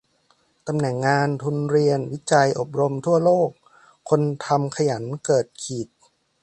ตำแหน่งงาน ทุนเรียน วิจัย อบรม ทั่วโลก คนทำขยันเกิดขีด